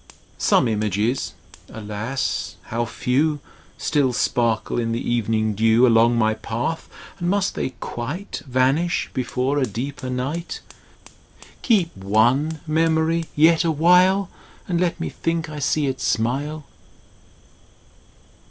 Some images (alas how few !) Stil sparkle in the evening dew Along my path : and must they quite Yanish before a deeper night ? Keep one, 0 Memory ! yet awhile And let me think I see it smile.